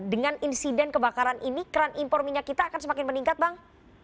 dengan insiden kebakaran ini keran impor minyak kita akan semakin meningkat bang